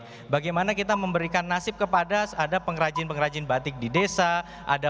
bagaimana kita memberikan nasib kepada ada pengrajin pengrajin batik di desa ada